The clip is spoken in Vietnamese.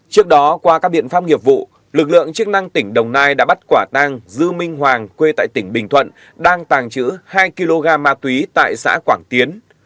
trước đó qua các biện pháp nghiệp vụ lực lượng chức năng tỉnh đồng nai đã bắt quả tăng dư minh hoàng quê tại tỉnh bình thuận đang tàng trữ hai kg ma túy tại xã quảng tiến